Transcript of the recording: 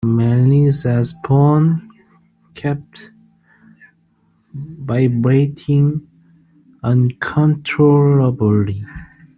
Melissa's phone kept vibrating uncontrollably.